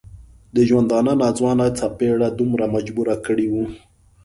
د ژوندانه ناځوانه څپېړو دومره مجبور کړی و.